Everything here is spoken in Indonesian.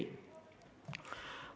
ketiadaan hukum itu sendiri